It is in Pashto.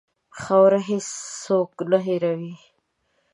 خاوره هېڅ څوک نه هېروي.